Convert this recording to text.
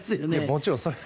もちろんそれは。